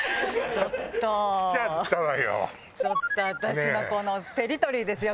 ちょっと私のテリトリーですよ